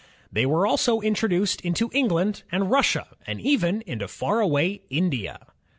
They were also introduced into England and Russia, and even into far away India.